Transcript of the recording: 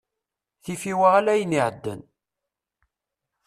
Tifiwa ala ayen iεeddan.